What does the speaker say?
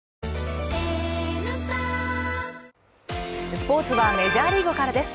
スポーツはメジャーリーグからです。